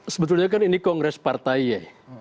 sebetulnya kan ini kongres partai ya